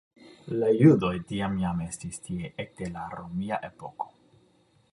La judoj tiam jam estis tie ekde la romia epoko.